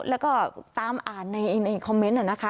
แล้วก็ตามอ่านในคอมเมนต์นะคะ